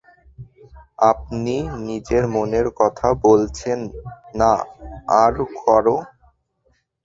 আপনি নিজের মনের কথা বলছেন, না আর কারো?